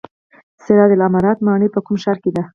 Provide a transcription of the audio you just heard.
سراج العمارت ماڼۍ په کوم ښار کې ده؟